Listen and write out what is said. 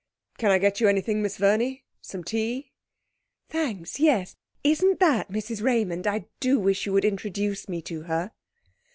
'Can I get you anything, Miss Vemey? Some tea?' 'Thanks, yes. Isn't that Mrs Raymond? I do wish you would introduce me to her.'